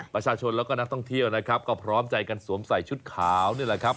ประชาชนแล้วก็นักท่องเที่ยวนะครับก็พร้อมใจกันสวมใส่ชุดขาวนี่แหละครับ